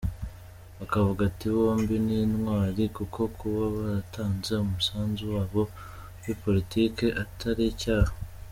Akavuga ati, bombi ni intwari kuko kuba baratanze umusanzu wabo muri politiki atari icyaha.”